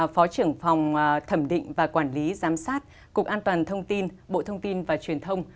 phó trưởng phòng thẩm định và quản lý giám sát cục an toàn thông tin bộ thông tin và truyền thông